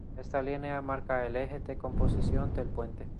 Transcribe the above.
Esta línea marca el eje de composición del puente.